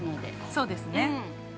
◆そうですね。